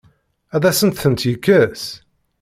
Ad asent-ten-tekkes?